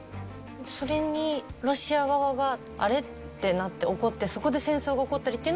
それにロシア側が「あれっ？」ってなって怒ってそこで戦争が起こったりっていうのはないんですか？